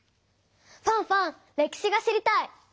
ファンファン歴史が知りたい！